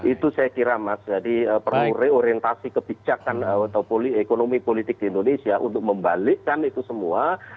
itu saya kira mas jadi perlu reorientasi kebijakan atau ekonomi politik di indonesia untuk membalikkan itu semua